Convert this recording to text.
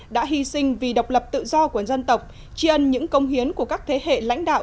đã hy sinh vì độc lập tự do của dân tộc tri ân những công hiến của các thế hệ lãnh đạo